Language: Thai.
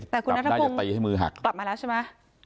แต่คุณนัทพงศ์กลับมาแล้วใช่ไหม